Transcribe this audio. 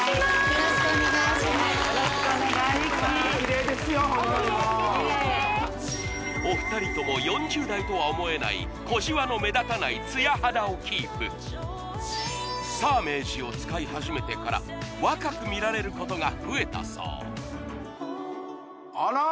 ホントにもうお二人とも４０代とは思えない小じわの目立たないつや肌をキープサーメージを使い始めてから若く見られることが増えたそうあら！